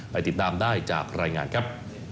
ติดตามได้จากรายงานครับ